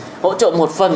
để phát bằng hỗ trợ một phần